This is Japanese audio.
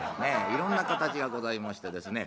いろんな形がございましてですね